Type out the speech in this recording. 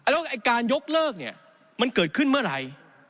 แล้วการยกเลิกเนี่ยมันเกิดขึ้นเมื่อไหร่